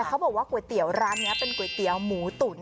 เขาบอกว่าก๋วยเตี๋ยวร้านนี้เป็นก๋วยเตี๋ยวหมูตุ๋น